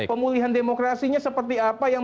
pemulihan demokrasinya seperti apa yang